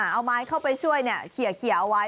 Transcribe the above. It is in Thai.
เอาไม้เข้าไปช่วยเขียเอาไว้